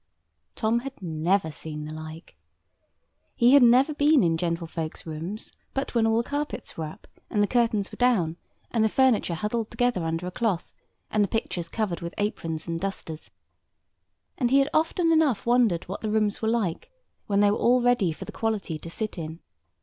Tom had never seen the like. He had never been in gentlefolks' rooms but when the carpets were all up, and the curtains down, and the furniture huddled together under a cloth, and the pictures covered with aprons and dusters; and he had often enough wondered what the rooms were like when they were all ready for the quality to sit in.